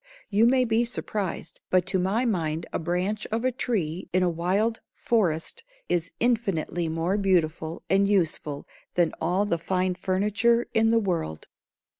You may be surprised, but to my mind a branch of a tree in a wild forest is infinitely more beautiful and useful than all the fine furniture in the world.